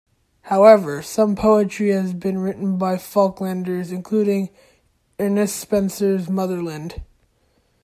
However some poetry has been written by Falklanders, including, Ernest Spencer's "Motherland".